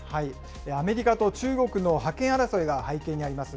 アメリカと中国の覇権争いが背景にあります。